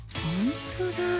ほんとだ